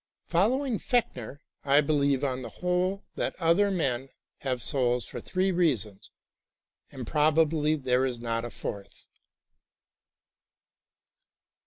Following Fechner, I believe, on the whole, that other men have souls for three reasons, and probably there is not a fourth.